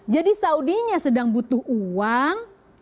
jadi saudinya sedang butuh uang